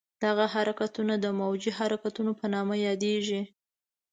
دغه حرکتونه د موجي حرکتونو په نامه یادېږي.